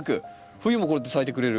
冬もこうやって咲いてくれる。